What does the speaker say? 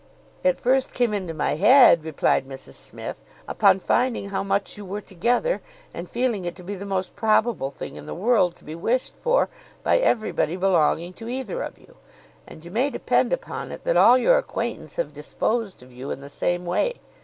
"It first came into my head," replied Mrs Smith, "upon finding how much you were together, and feeling it to be the most probable thing in the world to be wished for by everybody belonging to either of you; and you may depend upon it that all your acquaintance have disposed of you in the same way.